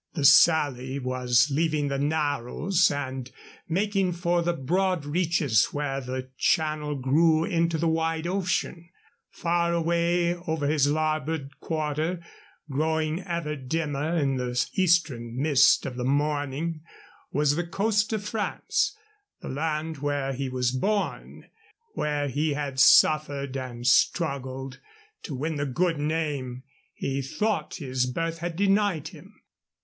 The Sally was leaving the narrows and making for the broad reaches where the Channel grew into the wide ocean. Far away over his larboard quarter, growing ever dimmer in the eastern mist of the morning, was the coast of France, the land where he was born, where he had suffered and struggled to win the good name he thought his birth had denied him.